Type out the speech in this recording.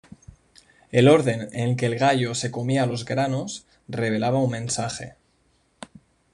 El orden en que el gallo se comía los granos revelaba un mensaje.